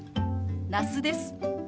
那須です。